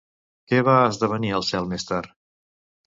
Què va esdevenir el cel més tard?